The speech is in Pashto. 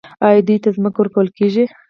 آیا دوی ته ځمکه ورکول کیږي؟